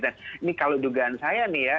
ini kalau dugaan saya nih ya